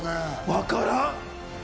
わからん。